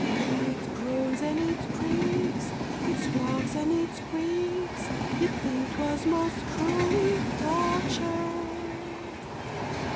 It groans and it creaks, It squawks and it squeaks, You'd think 'twas most cruelly tortured.